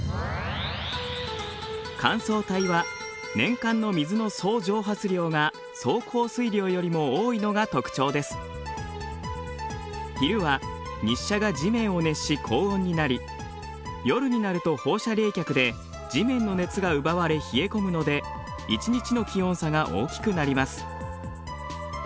乾燥帯は年間の水の昼は日射が地面を熱し高温になり夜になると放射冷却で地面の熱が奪われ冷え込むので一日の気温差が大きくなります。